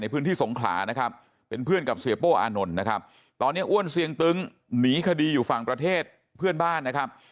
พื้นที่สงขลานะครับเป็นเพื่อนกับเสียโป้อานนท์นะครับตอนนี้อ้วนเสียงตึ้งหนีคดีอยู่ฝั่งประเทศเพื่อนบ้านนะครับ